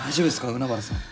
海原さん。